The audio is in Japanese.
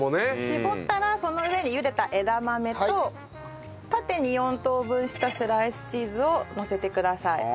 絞ったらその上に茹でた枝豆と縦に４等分したスライスチーズをのせてください。